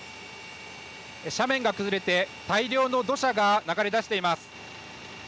斜面が崩れて大量の土砂が流れ出しています。